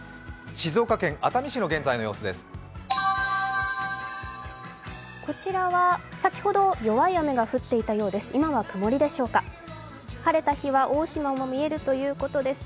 静岡県熱海市の現在の様子です。